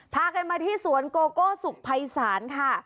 พากันมาที่สวนโกโก้สุขภัยศาลค่ะ